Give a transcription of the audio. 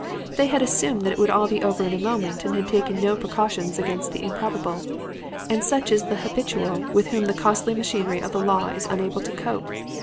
They had assumed that it would be all over in a moment and had taken no precautions against the improbable. And such is the 'habitual' with whom the costly machinery of the law is unable to cope!